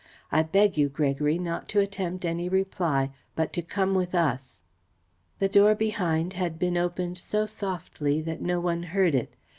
I beg you, Gregory, not to attempt any reply but to come with us." The door behind had been opened so softly that no one heard it.